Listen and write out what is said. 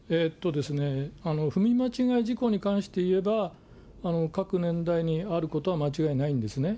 踏み間違い事故に関して言えば、各年代にあることは間違いないんですね。